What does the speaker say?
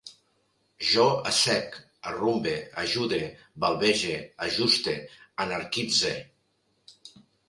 Jo assec, arrumbe, ajude, balbege, ajuste, anarquitze